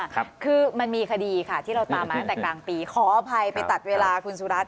ครับคือมันมีคดีค่ะที่เราตามมาตั้งแต่กลางปีขออภัยไปตัดเวลาคุณสุรัตน